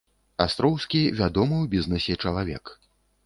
Астроўскі вядомы ў бізнэсе чалавек.